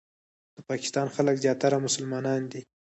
د پاکستان خلک زیاتره مسلمانان دي.